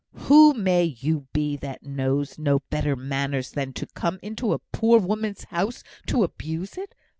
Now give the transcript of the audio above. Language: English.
"Who may you be, that knows no better manners than to come into a poor woman's house to abuse it?